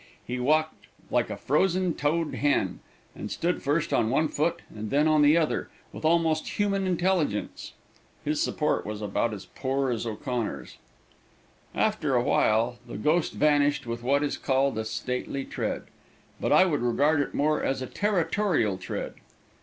He walked like a frozen toed hen, and stood first on one foot and then on the other, with almost human intelligence. His support was about as poor as O'Connor's. After awhile the ghost vanished with what is called a stately tread, but I would regard it more as a territorial tread.